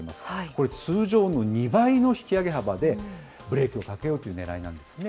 これ、通常の２倍の引き上げ幅で、ブレーキをかけようというねらいなんですね。